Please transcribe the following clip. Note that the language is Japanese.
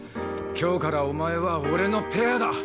今日からお前は俺のペアだ。